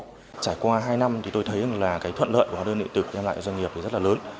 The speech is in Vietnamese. trải qua hai năm thì tôi thấy rằng là cái thuận lợi của hóa đơn điện tử đem lại doanh nghiệp thì rất là lớn